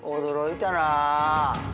驚いたなぁ。